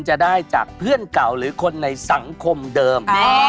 จะได้จากเพื่อนเก่าหรือคนในสังคมเดิม